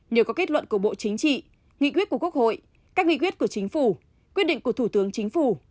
nhờ có kết luận của bộ chính trị nghị quyết của quốc hội các nghị quyết của chính phủ quyết định của thủ tướng chính phủ